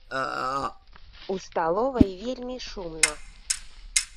У сталовай вельмі шумна.